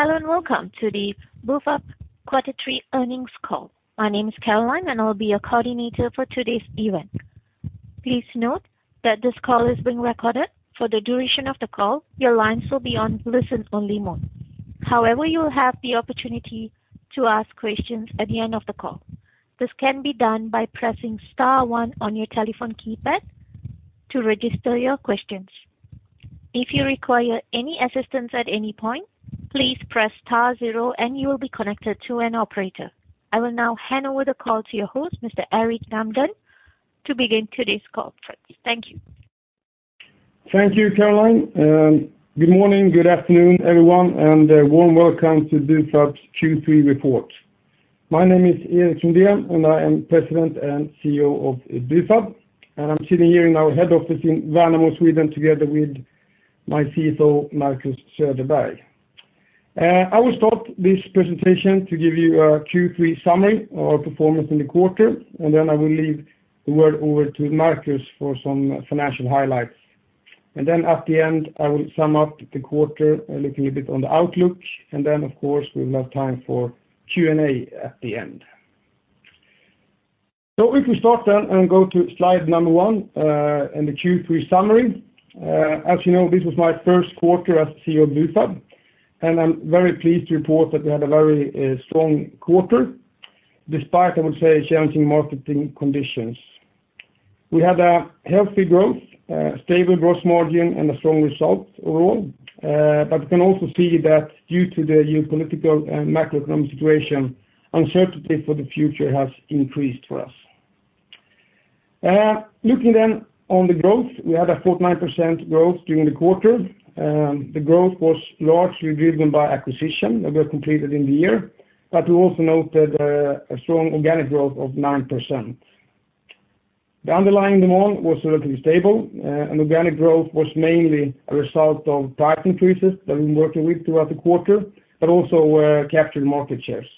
Hello, and welcome to the Bufab quarter three earnings call. My name is Caroline, and I will be your coordinator for today's event. Please note that this call is being recorded. For the duration of the call, your lines will be on listen only mode. However, you will have the opportunity to ask questions at the end of the call. This can be done by pressing Star one on your telephone keypad to register your questions. If you require any assistance at any point, please press Star zero and you will be connected to an operator. I will now hand over the call to your host, Mr. Erik Lundén, to begin today's conference. Thank you. Thank you, Caroline. Good morning, good afternoon, everyone, and warm welcome to Bufab's Q3 report. My name is Erik Lundén, and I am President and CEO of Bufab, and I'm sitting here in our head office in Värnamo, Sweden, together with my CFO, Marcus Söderberg. I will start this presentation to give you a Q3 summary of our performance in the quarter, and then I will leave the word over to Marcus for some financial highlights. Then at the end, I will sum up the quarter, looking a bit on the outlook. Then, of course, we will have time for Q&A at the end. If we start then and go to slide number one, and the Q3 summary. As you know, this was my first quarter as CEO of Bufab, and I'm very pleased to report that we had a very strong quarter despite, I would say, challenging market conditions. We had a healthy growth, stable gross margin, and a strong result overall. You can also see that due to the geopolitical and macroeconomic situation, uncertainty for the future has increased for us. Looking on the growth, we had a 49% growth during the quarter. The growth was largely driven by acquisitions that were completed in the year, but we also noted a strong organic growth of 9%. The underlying demand was relatively stable, and organic growth was mainly a result of price increases that we've been working with throughout the quarter, but also capturing market shares.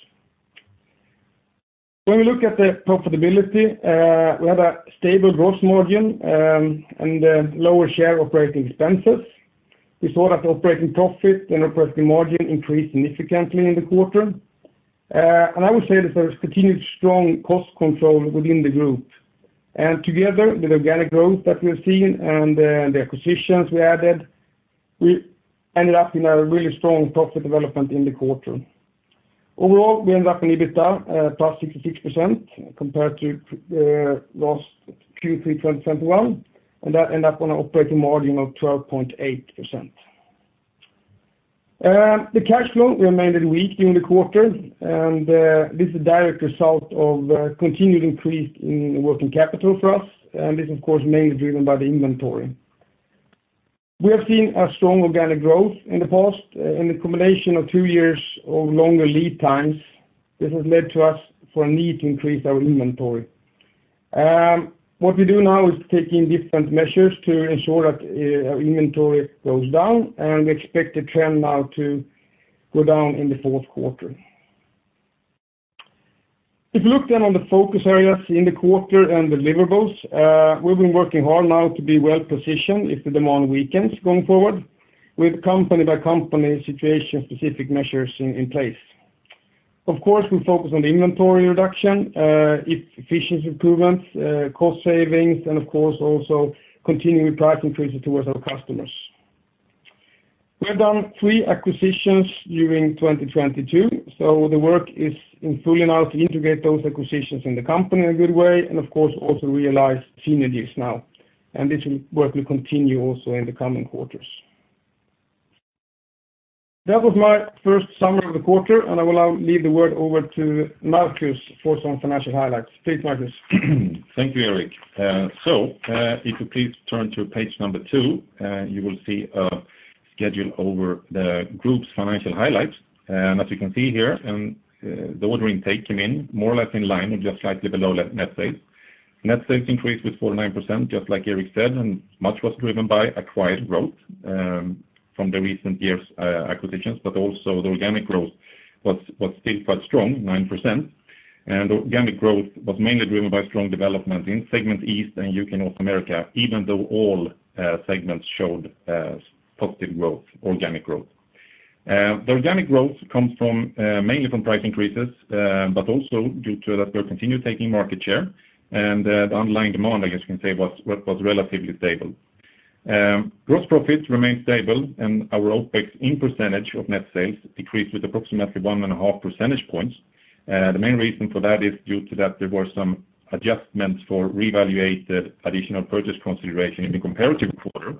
When we look at the profitability, we had a stable gross margin, and a lower share of operating expenses. We saw that operating profit and operating margin increased significantly in the quarter. I would say that there was continued strong cost control within the group. Together with organic growth that we've seen and the acquisitions we added, we ended up in a really strong profit development in the quarter. Overall, we end up in EBITDA +66% compared to the last Q3 2021, and that end up on an operating margin of 12.8%. The cash flow remained weak during the quarter, and this is a direct result of continued increase in working capital for us. This is of course mainly driven by the inventory. We have seen a strong organic growth in the past, and the combination of two years of longer lead times, this has led to us for a need to increase our inventory. What we do now is taking different measures to ensure that our inventory goes down, and we expect the trend now to go down in the fourth quarter. If you look then on the focus areas in the quarter and deliverables, we've been working hard now to be well-positioned if the demand weakens going forward with company by company situation specific measures in place. Of course, we focus on inventory reduction, efficiency improvements, cost savings, and of course also continuing price increases towards our customers. We have done three acquisitions during 2022, so the work is in full now to integrate those acquisitions in the company in a good way and of course also realize synergies now. This work will continue also in the coming quarters. That was my first summary of the quarter, and I will now leave the word over to Marcus for some financial highlights. Please, Marcus. Thank you, Erik. If you please turn to page number two, you will see a schedule over the group's financial highlights. As you can see here, the order intake came in more or less in line with just slightly below net sales. Net sales increased with 49%, just like Erik said, and much was driven by acquired growth from the recent years' acquisitions. The organic growth was still quite strong, 9%. Organic growth was mainly driven by strong development in Segment East and UK/North America, even though all segments showed positive growth, organic growth. The organic growth comes from mainly from price increases, but also due to that we're continuing taking market share and the underlying demand, I guess you can say, was relatively stable. Gross profits remained stable, and our OpEx as a percentage of net sales decreased with approximately 1.5 percentage points. The main reason for that is due to that there were some adjustments for reevaluated additional purchase consideration in the comparative quarter.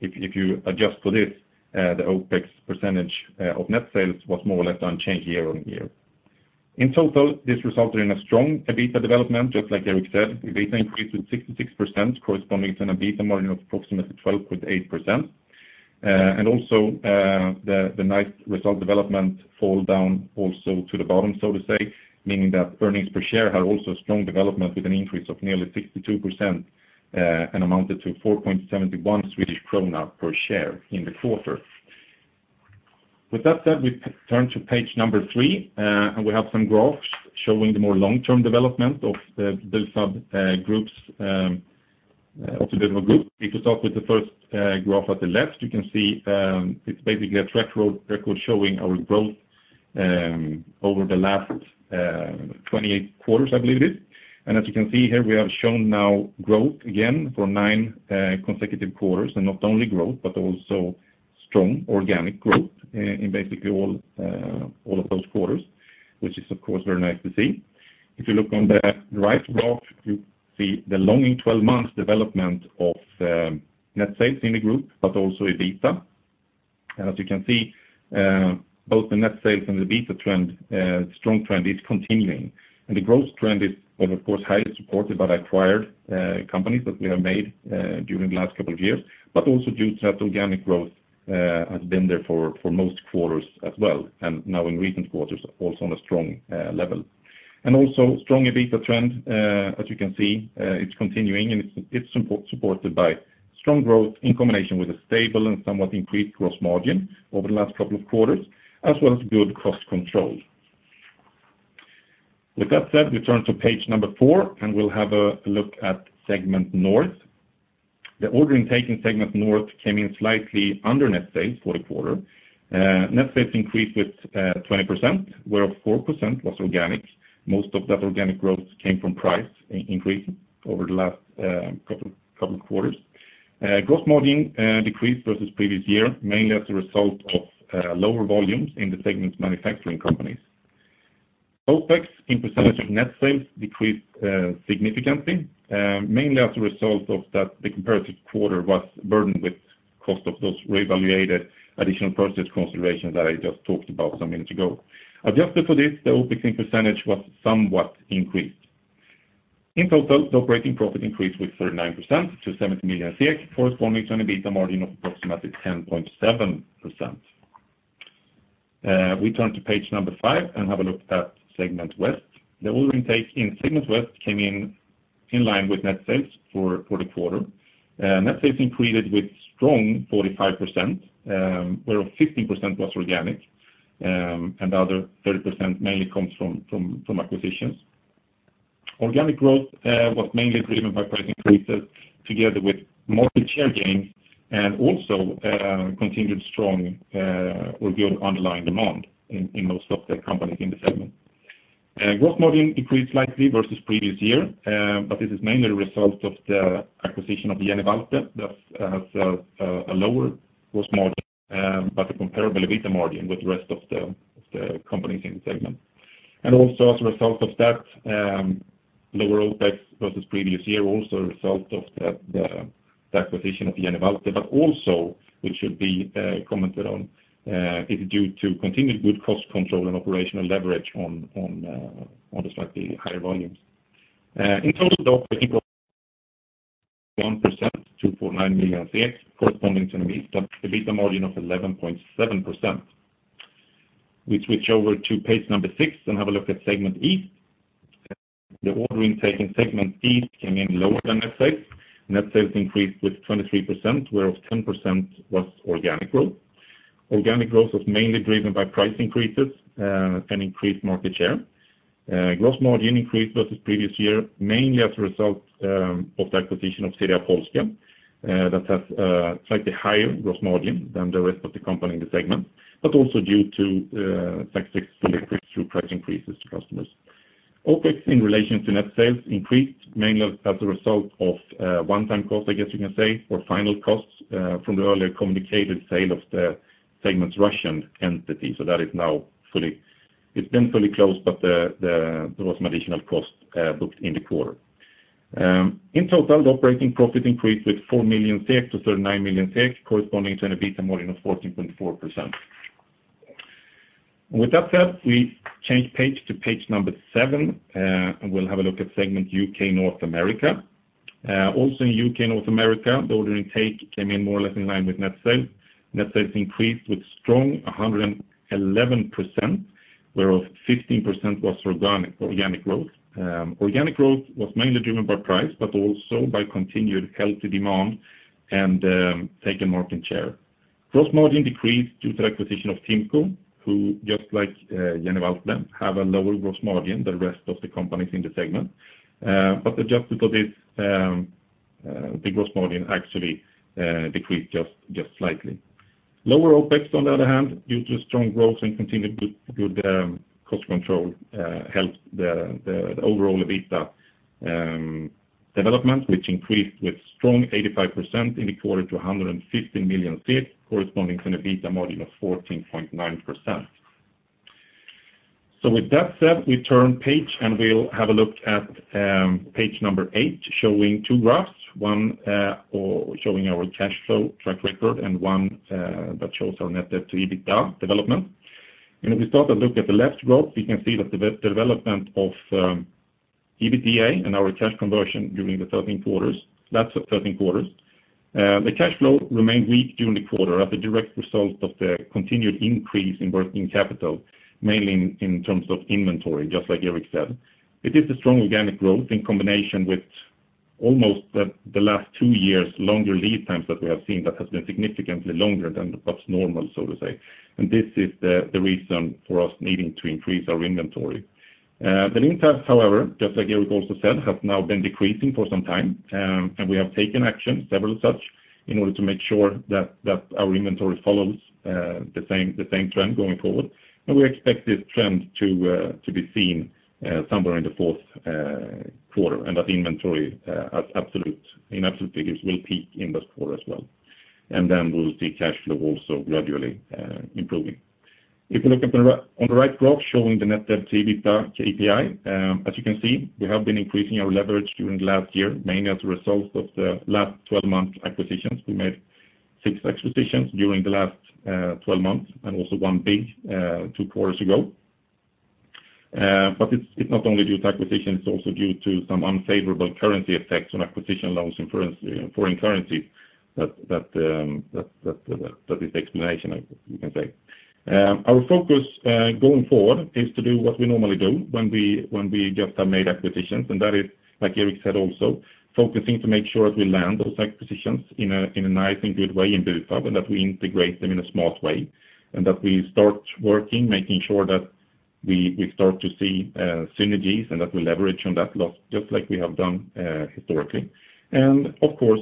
If you adjust for this, the OpEx percentage of net sales was more or less unchanged year-over-year. In total, this resulted in a strong EBITDA development, just like Erik said. The EBITDA increased by 66% corresponding to an EBITDA margin of approximately 12.8%. The nice result development flows down also to the bottom, so to say, meaning that earnings per share had also strong development with an increase of nearly 62%, and amounted to 4.71 Swedish krona per share in the quarter. With that said, we turn to page number three, and we have some graphs showing the more long-term development of the Bufab Group. If you start with the first graph at the left, you can see it's basically a record showing our growth over the last 28 quarters, I believe it is. As you can see here, we have shown growth now again for nine consecutive quarters, and not only growth, but also strong organic growth in basically all of those quarters, which is, of course, very nice to see. If you look on the right graph, you see the rolling 12 months development of net sales in the group, but also EBITDA. As you can see, both the net sales and the EBITDA trend strong trend is continuing. The growth trend is of course, highly supported by acquired companies that we have made during the last couple of years, but also due to that organic growth has been there for most quarters as well, and now in recent quarters, also on a strong level. Also strong EBITDA trend as you can see it's continuing and it's supported by strong growth in combination with a stable and somewhat increased gross margin over the last couple of quarters, as well as good cost control. With that said, we turn to page four, and we'll have a look at Segment North. The order intake in Segment North came in slightly under net sales for the quarter. Net sales increased with 20%, where 4% was organic. Most of that organic growth came from price increase over the last couple of quarters. Gross margin decreased versus previous year, mainly as a result of lower volumes in the segment's manufacturing companies. OpEx in percentage of net sales decreased significantly, mainly as a result of that the comparative quarter was burdened with cost of those reevaluated additional purchase considerations that I just talked about some minutes ago. Adjusted for this, the OpEx in percentage was somewhat increased. In total, the operating profit increased with 39% to 70 million, corresponding to an EBITDA margin of approximately 10.7%. We turn to page five and have a look at Segment West. The order intake in Segment West came in line with net sales for the quarter. Net sales increased with strong 45%, where 15% was organic, and the other 30% mainly comes from acquisitions. Organic growth was mainly driven by price increases together with market share gains and also continued strong or good underlying demand in most of the companies in the segment. Gross margin increased slightly versus previous year, but this is mainly a result of the acquisition of the Novia Group that has a lower gross margin, but a comparable EBITDA margin with the rest of the companies in the segment. Also as a result of that, lower OpEx versus previous year, also a result of the acquisition of Novia Group. Also, which should be commented on is due to continued good cost control and operational leverage on the slightly higher volumes. In total, the operating profit increased by 1% to 49 million, corresponding to an EBITDA margin of 11.7%. We switch over to page six and have a look at Segment East. The order intake in Segment East came in lower than net sales. Net sales increased with 23%, whereof 10% was organic growth. Organic growth was mainly driven by price increases and increased market share. Gross margin increased versus previous year, mainly as a result of the acquisition of CDA Polska, that has slightly higher gross margin than the rest of the company in the segment, but also due to tax increase through price increases to customers. OpEx in relation to net sales increased mainly as a result of one-time cost, I guess you can say, or final costs from the earlier communicated sale of the segment's Russian entity. That is now fully closed, but there was some additional costs booked in the quarter. In total, the operating profit increased with 4 million SEK to 39 million SEK, corresponding to an EBITDA margin of 14.4%. With that said, we change page to page number seven, and we'll have a look at Segment UK/North America. Also in UK/North America, the order intake came in more or less in line with net sales. Net sales increased by a strong 111%, whereof 15% was organic growth. Organic growth was mainly driven by price, but also by continued healthy demand and taking market share. Gross margin decreased due to the acquisition of TIMCO, who just likeJenny Waltle have a lower gross margin than rest of the companies in the segment. Adjusted for this, the gross margin actually decreased just slightly. Lower OpEx on the other hand, due to strong growth and continued good cost control, helped the overall EBITDA development, which increased with strong 85% in the quarter to 115 million SEK, corresponding to an EBITDA margin of 14.9%. With that said, we turn page and we'll have a look at page eight showing two graphs, one showing our cash flow track record and one that shows our net debt/EBITDA development. If we start to look at the left graph, we can see that the development of EBITDA and our cash conversion during the 13 quarters. The cash flow remained weak during the quarter as a direct result of the continued increase in working capital, mainly in terms of inventory, just like Erik said. It is a strong organic growth in combination with almost the last two years longer lead times that we have seen that has been significantly longer than what's normal, so to say. This is the reason for us needing to increase our inventory. The lead times, however, just like Erik also said, have now been decreasing for some time, and we have taken action, several such. In order to make sure that our inventory follows the same trend going forward. We expect this trend to be seen somewhere in the fourth quarter, and that inventory in absolute figures will peak in this quarter as well. Then we'll see cash flow also gradually improving. If you look on the right graph showing the net debt/EBITDA KPI, as you can see, we have been increasing our leverage during last year, mainly as a result of the last 12-month acquisitions. We made six acquisitions during the last 12 months and also one big two quarters ago. But it's not only due to acquisitions, it's also due to some unfavorable currency effects on acquisition loans in foreign currency that is the explanation, you can say. Our focus going forward is to do what we normally do when we just have made acquisitions, and that is, like Erik said, also focusing to make sure that we land those acquisitions in a nice and good way in Bufab, and that we integrate them in a smart way, and that we start working, making sure that we start to see synergies and that we leverage on that just like we have done historically. Of course,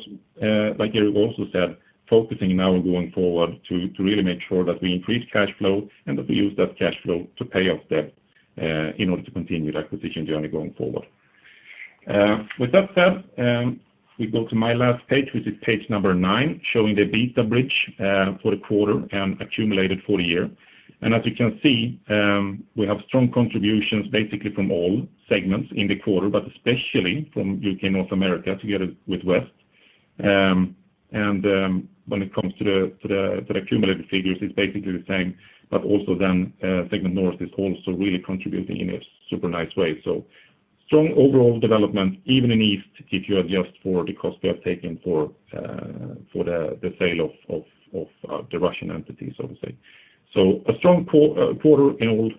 like Erik also said, focusing now going forward to really make sure that we increase cash flow and that we use that cash flow to pay off debt in order to continue the acquisition journey going forward. With that said, we go to my last page, which is page nine, showing the EBITDA bridge for the quarter and accumulated for the year. As you can see, we have strong contributions basically from all segments in the quarter, but especially from UK/North America together with West. When it comes to the accumulated figures, it's basically the same, but also then Segment North is also really contributing in a super nice way. Strong overall development, even in Segment East, if you adjust for the cost we have taken for the sale of the Russian entities, I would say. A strong quarter in all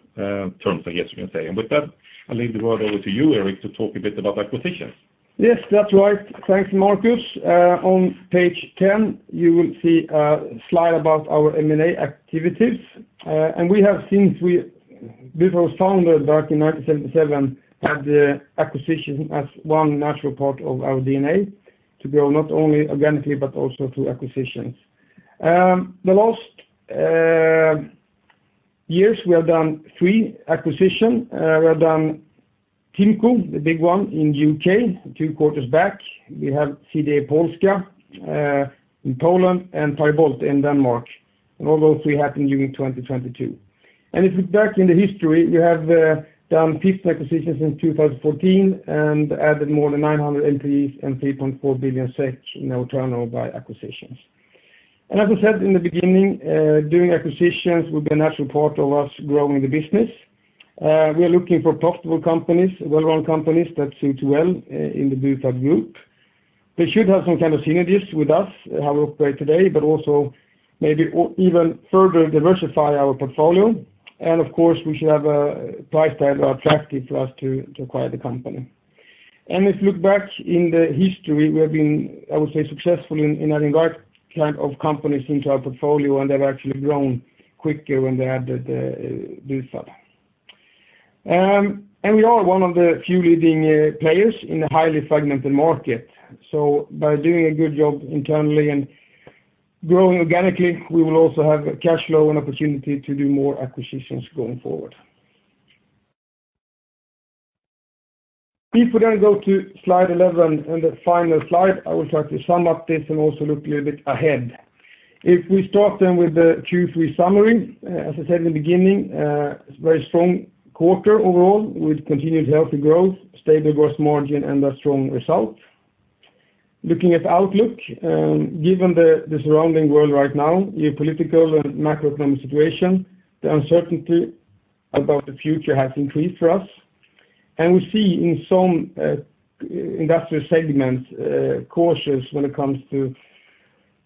terms, I guess you can say. With that, I leave the word over to you, Erik, to talk a bit about acquisitions. Yes, that's right. Thanks, Marcus. On page 10, you will see a slide about our M&A activities. Bufab was founded back in 1977, had acquisition as one natural part of our DNA to grow not only organically, but also through acquisitions. The last years, we have done three acquisition. We have done TIMCO, the big one in UK two quarters back. We have CDA Polska in Poland and Pajo - Bolte in Denmark. All those three happened during 2022. If you look back in the history, we have done 50 acquisitions since 2014 and added more than 900 entities and 3.4 billion SEK in our turnover by acquisitions. As I said in the beginning, doing acquisitions will be a natural part of us growing the business. We are looking for profitable companies, well-run companies that suit well in the Bufab group. They should have some kind of synergies with us, how we operate today, but also maybe even further diversify our portfolio. Of course, we should have a price tag attractive for us to acquire the company. If you look back in the history, we have been, I would say, successful in adding that kind of companies into our portfolio, and they've actually grown quicker when they added Bufab. We are one of the few leading players in the highly fragmented market. By doing a good job internally and growing organically, we will also have cash flow and opportunity to do more acquisitions going forward. If we then go to slide 11 and the final slide, I will try to sum up this and also look a little bit ahead. If we start then with the Q3 summary, as I said in the beginning, it's a very strong quarter overall with continued healthy growth, stable gross margin and a strong result. Looking at the outlook, given the surrounding world right now, geopolitical and macroeconomic situation, the uncertainty about the future has increased for us. We see in some industrial segments cautious when it comes to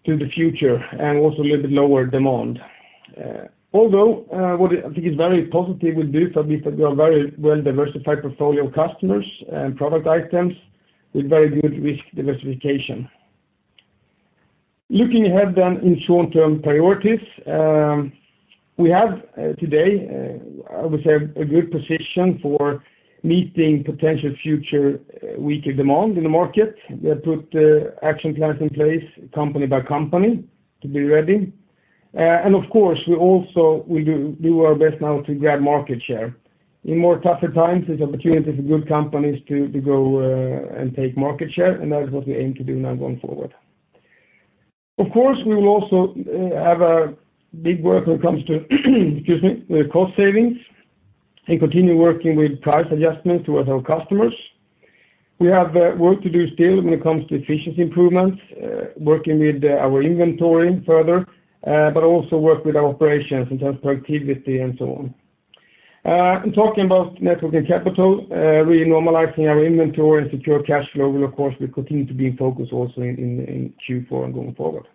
the future and also a little bit lower demand. Although what I think is very positive with Bufab is that we have very well-diversified portfolio of customers and product items with very good risk diversification. Looking ahead in short-term priorities, we have today, I would say a good position for meeting potential future weaker demand in the market. We have put action plans in place company by company to be ready. Of course, we also will do our best now to grab market share. In more tougher times, there's opportunities for good companies to grow and take market share, and that is what we aim to do now going forward. Of course, we will also have a big work when it comes to, excuse me, the cost savings and continue working with price adjustment towards our customers. We have work to do still when it comes to efficiency improvements, working with our inventory further, but also work with our operations in terms of productivity and so on. Talking about net working capital, really normalizing our inventory and secure cash flow will of course continue to be in focus also in Q4 and going forward.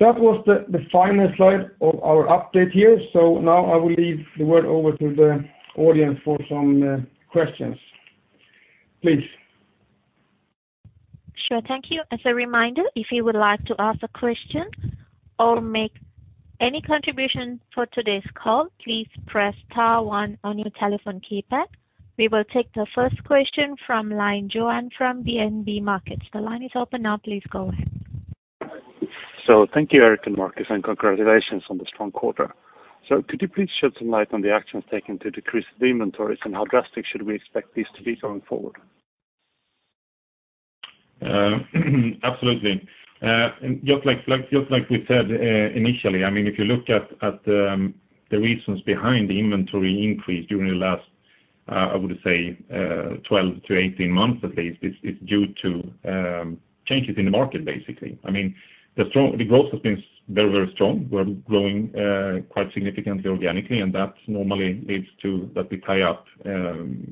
That was the final slide of our update here. Now I will leave the word over to the audience for some questions. Please. Sure. Thank you. As a reminder, if you would like to ask a question. Make any contribution for today's call, please press Star one on your telephone keypad. We will take the first question from Johan from BNB Markets. The line is open now. Please go ahead. Thank you, Erik and Marcus, and congratulations on the strong quarter. Could you please shed some light on the actions taken to decrease the inventories and how drastic should we expect this to be going forward? Absolutely. Just like we said initially, I mean, if you look at the reasons behind the inventory increase during the last 12-18 months at least, is due to changes in the market, basically. I mean, the growth has been very, very strong. We're growing quite significantly organically, and that normally leads to that we tie up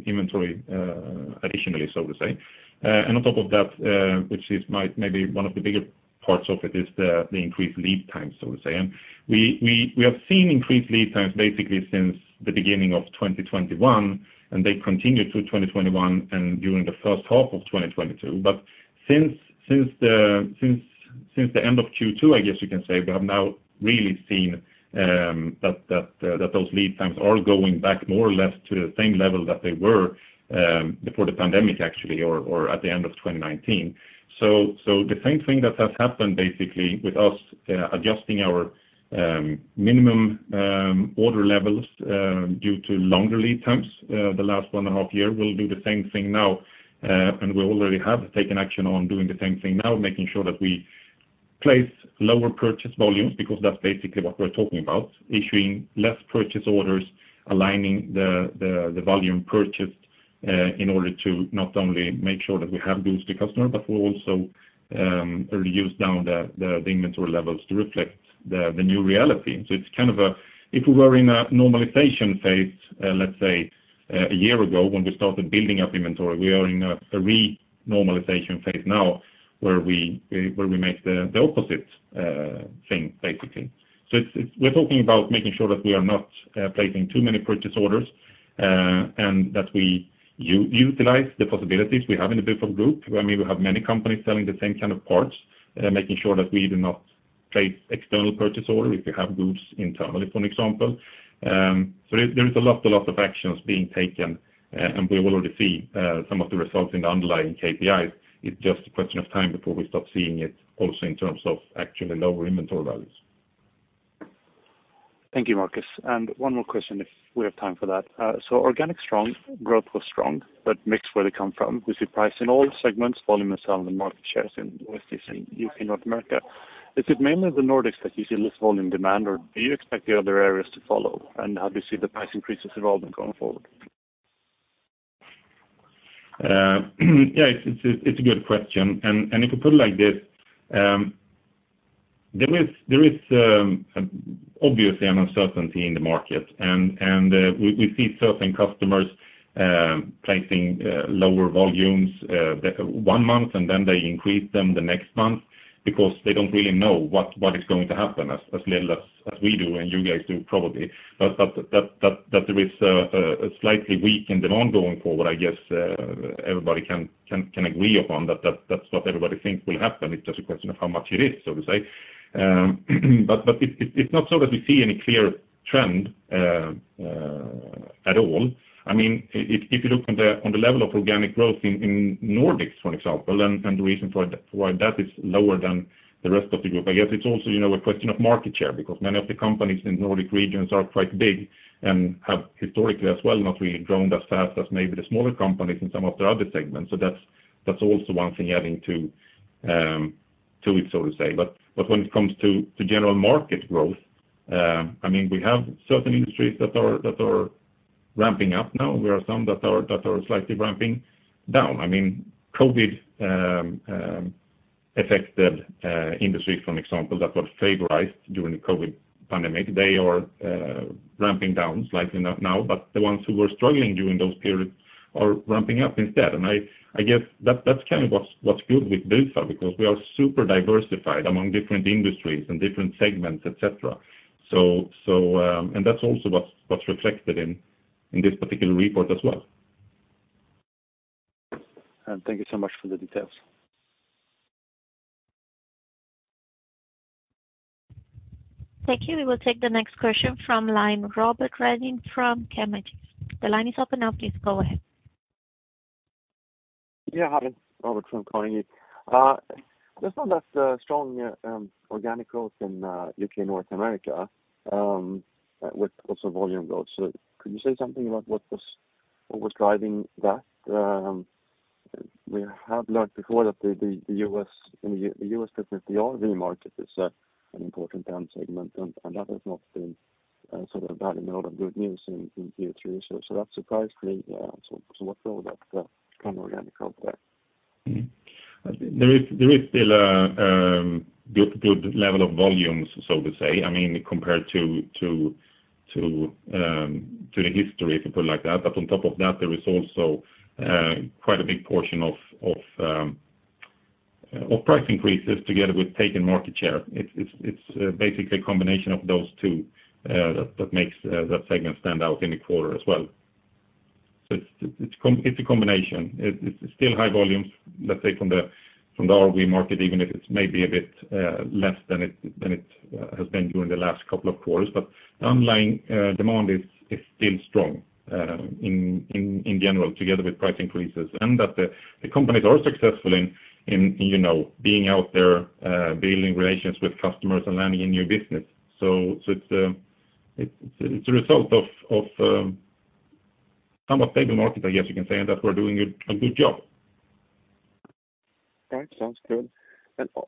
inventory additionally, so to say. And on top of that, maybe one of the bigger parts of it is the increased lead times, so to say. We have seen increased lead times basically since the beginning of 2021, and they continue through 2021 and during the first half of 2022. Since the end of Q2, I guess you can say we have now really seen that those lead times are going back more or less to the same level that they were before the pandemic, actually, or at the end of 2019. The same thing that has happened basically with us adjusting our minimum order levels due to longer lead times the last one and a half year, we'll do the same thing now, and we already have taken action on doing the same thing now, making sure that we place lower purchase volumes because that's basically what we're talking about. Issuing less purchase orders, aligning the volume purchased, in order to not only make sure that we have goods to customer, but we also reduce down the inventory levels to reflect the new reality. It's kind of a If we were in a normalization phase, let's say, a year ago when we started building up inventory, we are in a renormalization phase now where we make the opposite thing, basically. It's we're talking about making sure that we are not placing too many purchase orders, and that we utilize the possibilities we have in the Bufab Group, where maybe we have many companies selling the same kind of parts, making sure that we do not place external purchase order if you have groups internally, for an example. There is a lot of actions being taken and we already see some of the results in the underlying KPIs. It's just a question of time before we stop seeing it also in terms of actually lower inventory values. Thank you, Marcus. One more question, if we have time for that. Organic growth was strong, but mixed where they come from. We see price in all segments, volume and sales and market shares in West, East, and UK/North America. Is it mainly the Nordics that you see less volume demand or do you expect the other areas to follow? How do you see the price increases evolving going forward? Yeah, it's a good question. If you put it like this, there is obviously an uncertainty in the market and we see certain customers placing lower volumes one month, and then they increase them the next month because they don't really know what is going to happen as little as we do and you guys do probably. That there is a slightly weakened demand going forward, I guess, everybody can agree upon that that's what everybody thinks will happen. It's just a question of how much it is, so to say. It's not so that we see any clear trend at all. I mean, if you look on the level of organic growth in Nordics, for example, and the reason for that, why that is lower than the rest of the group, I guess it's also, you know, a question of market share because many of the companies in Nordic regions are quite big and have historically as well not really grown as fast as maybe the smaller companies in some of their other segments. That's also one thing adding to it, so to say. When it comes to general market growth, I mean, we have certain industries that are ramping up now. There are some that are slightly ramping down. I mean, COVID affected industries, for example, that were favored during the COVID pandemic. They are ramping down slightly now, but the ones who were struggling during those periods are ramping up instead. I guess that's kind of what's good with Bufab because we are super diversified among different industries and different segments, et cetera. That's also what's reflected in this particular report as well. Thank you so much for the details. Thank you. We will take the next question from the line of Robert Redin from Carnegie Investment Bank AB. The line is open now. Please go ahead. Hi, Robert from Carnegie. There's that strong organic growth in UK/North America with also volume growth. Could you say something about what was driving that? We have learned before that the US business, the RV market is an important down segment, and that has not been sort of bad in a lot of good news in Q3. That's surprised me. What's all that kind of organic growth there? There is still a good level of volumes, so to say, I mean, compared to the history, if you put it like that. On top of that, there is also quite a big portion of price increases together with taking market share. It's basically a combination of those two, that makes that segment stand out in the quarter as well. It's a combination. It's still high volumes, let's say from the RV market, even if it's maybe a bit less than it has been during the last couple of quarters. The online demand is still strong in general, together with price increases and that the companies are successful in you know being out there building relations with customers and landing in new business. It's a result of some of paper market, I guess you can say, and that we're doing a good job. Right. Sounds good.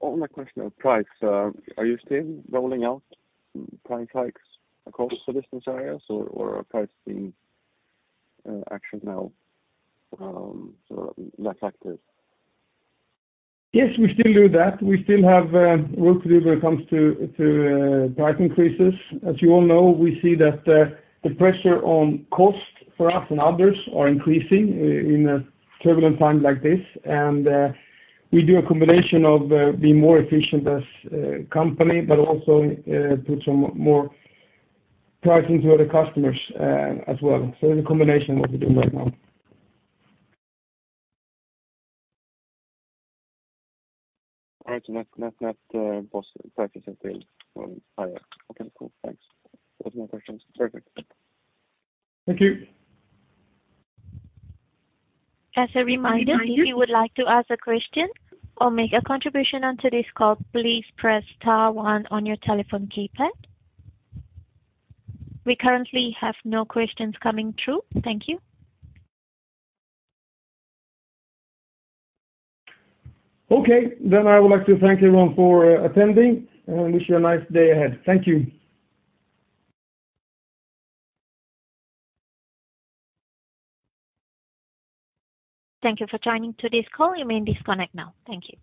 On the question of price, are you still rolling out price hikes across the business areas or are prices being less active now? Yes, we still do that. We still have work to do when it comes to price increases. As you all know, we see that the pressure on cost for us and others are increasing in a turbulent time like this. We do a combination of being more efficient as a company, but also put some more pricing to other customers as well. It's a combination of what we're doing right now. All right. Not possible prices are going higher. Okay, cool. Thanks. Those are my questions. Perfect. Thank you. As a reminder, if you would like to ask a question or make a contribution on today's call, please press Star one on your telephone keypad. We currently have no questions coming through. Thank you. Okay. I would like to thank everyone for attending and wish you a nice day ahead. Thank you. Thank you for joining today's call. You may disconnect now. Thank you.